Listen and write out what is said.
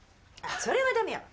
それはダメよ！